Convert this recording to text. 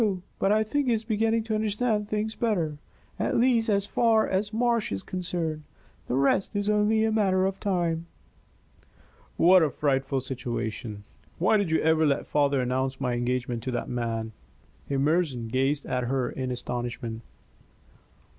But I think he is beginning to understand things better at least, as far as Marsh is concerned. The rest is only a matter of time." "What a frightful situation! Why did you ever let father announce my engagement to that man?" Emerson gazed at her in astonishment.